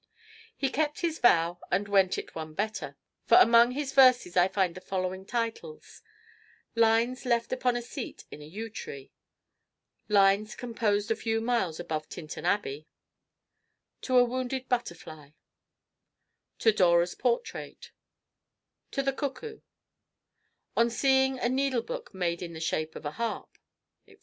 He kept his vow and "went it one better," for among his verses I find the following titles: "Lines Left Upon a Seat in a Yew Tree," "Lines Composed a Few Miles Above Tintern Abbey," "To a Wounded Butterfly," "To Dora's Portrait," "To the Cuckoo," "On Seeing a Needlebook Made in the Shape of a Harp," etc.